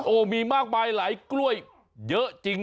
โอ้โหมีมากมายหลายกล้วยเยอะจริง